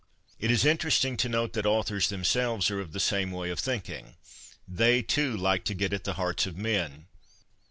It is interesting to note that authors themselves are of the same way of thinking. They, too, like to get at the hearts of men.